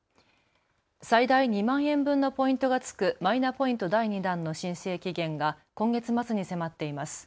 最大２万円分のポイントがつくマイナポイント第２弾の申請期限が今月末に迫っています。